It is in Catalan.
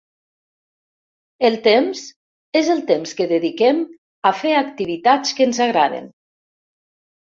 El temps és el temps que dediquem a fer activitats que ens agraden.